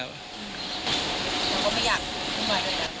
ผมก็ไม่อยากทำอะไรเลยครับ